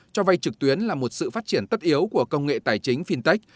cho vay trực tuyến là một sự phát triển tất yếu của công nghệ tài chính fintech